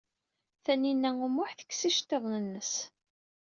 Tinhinan u Muḥ tekkes iceḍḍiḍen-nnes.